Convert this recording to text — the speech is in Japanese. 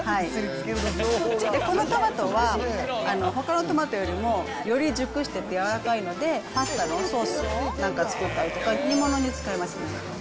このトマトは、ほかのトマトよりもより熟しててやわらかいのでパスタのソースなんか作ったりとか、煮物に使いますね。